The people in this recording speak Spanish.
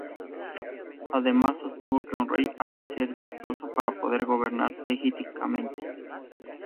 Además, sostuvo que un rey ha de ser virtuoso para poder gobernar legítimamente.